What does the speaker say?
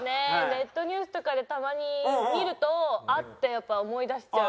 ネットニュースとかでたまに見ると「あっ！」って思い出しちゃう。